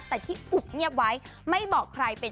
แต่ที่อุบเงียบไว้ไม่บอกใครเป็น